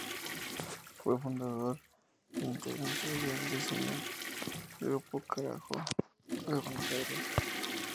Fue fundador e integrante del ya disuelto grupo Carajo-ji de Buenos Aires.